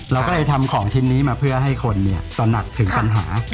เราก็เลยทำของชิ้นนี้มาเพื่อให้คนตระหนักถึงปัญหา